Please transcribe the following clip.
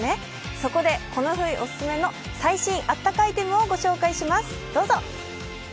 そこで、この冬オススメの最新あったかアイテムをご紹介します、どうぞ！